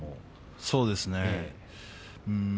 そうですね。